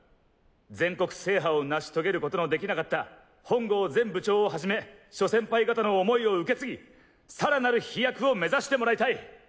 全国制覇を成し遂げることのできなかった本郷前部長を始め諸先輩方の想いを受け継ぎ更なる飛躍を目指してもらいたい。